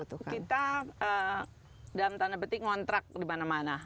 kita dalam tanda petik ngontrak di mana mana